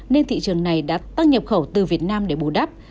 nên thị trường này đã tăng nhập khẩu từ việt nam để bù đắp